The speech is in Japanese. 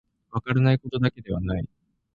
分からないことだけではない